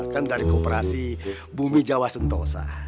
kan dari kooperasi bumi jawa sentosa